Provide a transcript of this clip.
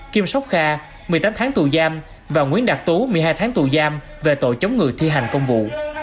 kim sóc kha một mươi tám tháng tù giam và nguyễn đạt tú một mươi hai tháng tù giam về tội chống người thi hành công vụ